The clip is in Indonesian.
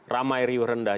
ramai riwet rendah